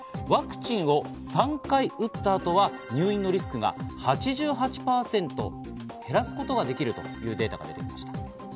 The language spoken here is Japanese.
ワクチンを３回打った後は入院のリスクが８８％減らすことができるというデータがありました。